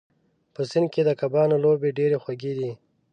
په سیند کې د کبانو لوبې ډېرې خوږې دي.